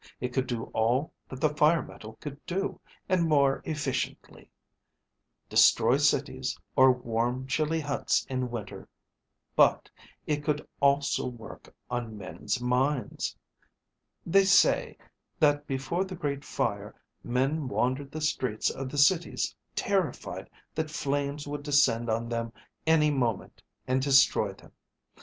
It could do all that the fire metal could do, and more efficiently: destroy cities, or warm chilly huts in winter; but, it could also work on men's minds. They say, that before the Great Fire, men wandered the streets of the cities terrified that flames would descend on them any moment and destroy them.